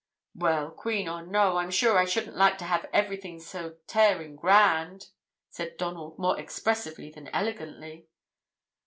"Well, Oueen or no, I'm sure I shouldn't like to have everything so tearing grand," said Donald, more expressively than elegantly.